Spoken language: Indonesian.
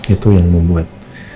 itu yang membuat